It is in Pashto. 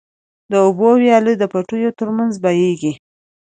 د اوبو وياله د پټيو تر منځ بهيږي.